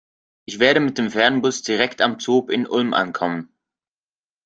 Ich werde mit dem Fernbus direkt am ZOB in Ulm ankommen.